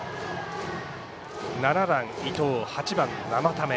７番伊藤、８番生田目。